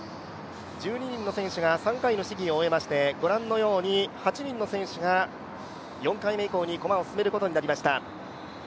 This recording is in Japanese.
１２人の選手が３回の試技を終えましてご覧のように８人の選手が４回目以降に駒を進めることになりました。